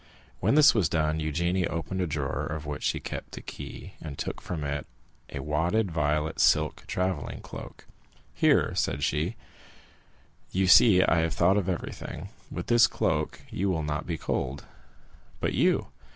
When this was done, Eugénie opened a drawer, of which she kept the key, and took from it a wadded violet silk travelling cloak. "Here," said she, "you see I have thought of everything; with this cloak you will not be cold." "But you?"